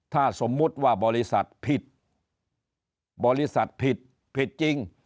ถ้าสมมุติว่าบริษัทผิดบริษัทผิดผิดจริง